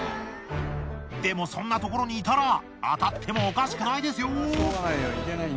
でもそんなところにいたら当たってもおかしくないですよ。